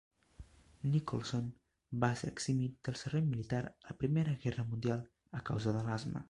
Nicholson va ser eximit del servei militar a la Primera Guerra Mundial a causa de l'asma.